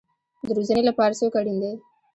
د روزنې لپاره څوک اړین دی؟